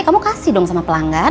kamu kasih dong sama pelanggan